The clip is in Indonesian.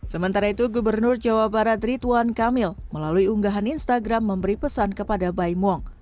sementara itu gubernur jawa barat rituan kamil melalui unggahan instagram memberi pesan kepada baim wong